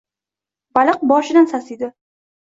Baliq boshidan sasiydi.